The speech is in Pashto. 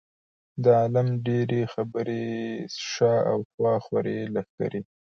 د عالم ډېرې خبرې شا او خوا خورې لښکرې.